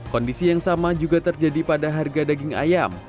kondisi yang sama juga terjadi pada harga daging ayam